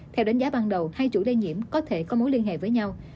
theo đánh giá ban đầu hai chủ lây nhiễm có thể có mối liên hệ với nhau